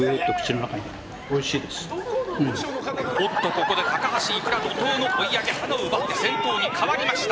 ここで高橋いくらが怒涛の追い上げ先頭に代わりました。